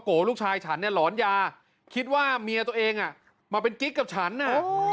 ลูกชายฉันเนี่ยหลอนยาคิดว่าเมียตัวเองมาเป็นกิ๊กกับฉันน่ะ